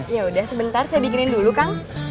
yaudah sebentar saya bikinin dulu kang